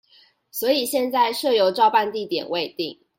所以現在社遊照辦地點未定